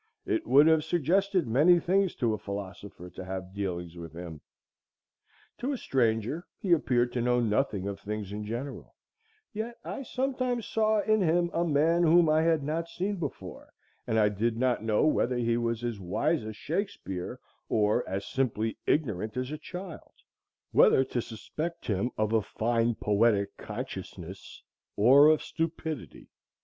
It would have suggested many things to a philosopher to have dealings with him. To a stranger he appeared to know nothing of things in general; yet I sometimes saw in him a man whom I had not seen before, and I did not know whether he was as wise as Shakespeare or as simply ignorant as a child, whether to suspect him of a fine poetic consciousness or of stupidity.